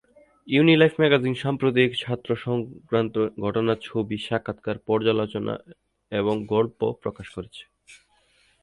ইউনিলাইফ magazine সাম্প্রতিক ছাত্র সংক্রান্ত ঘটনা, ছবি, সাক্ষাৎকার, পর্যালোচনা এবং গল্প প্রকাশ করেছে।